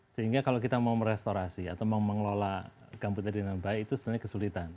sehingga kalau kita mau merestorasi atau mau mengelola gambut adenal bayi itu sebenarnya kesulitan